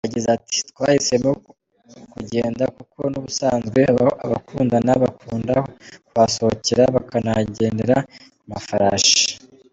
Yagize ati “Twahisemo Rugende kuko n’ubusanzwe abakundana bakunda kuhasohokera bakanagendera ku mafarashi.